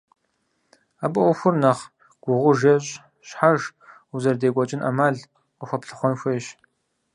Абы Ӏуэхур нэхъ гугъуж ещӀ – щхьэж узэрыдекӀуэкӀын Ӏэмал къыхуэплъыхъуэн хуейщ.